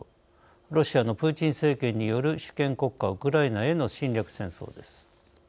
ロシアのプーチン政権による主権国家ウクライナへの侵略戦争です。